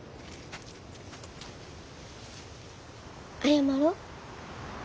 謝ろう。